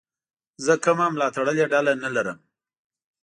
زه کومه ملاتړلې ډله نه لرم.